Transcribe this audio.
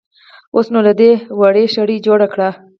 اوس نو له دې وړۍ شړۍ جوړه کړه.